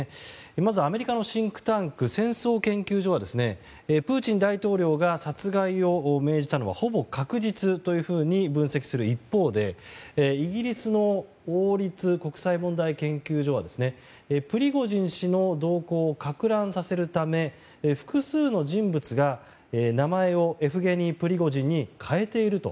まずアメリカのシンクタンク戦争研究所はプーチン大統領が殺害を命じたのはほぼ確実というふうに分析する一方でイギリスの王立国際問題研究所はプリゴジン氏の動向をかく乱させるため複数の人物が名前をエフゲニー・プリゴジンに変えていると。